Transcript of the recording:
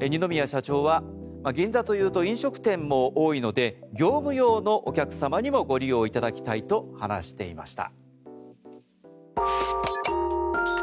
二宮社長は銀座というと飲食店も多いので業務用のお客様にもご利用いただきたいと話していました。